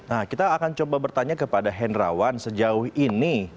nah kita akan coba bertanya kepada hendrawan sejauh ini